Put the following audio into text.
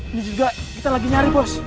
ini juga kita lagi nyari bos